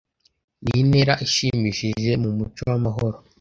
Ni intera ishimishije mu muco w’amahoro